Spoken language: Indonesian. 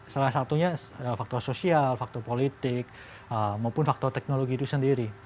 salah satunya faktor sosial faktor politik maupun faktor teknologi itu sendiri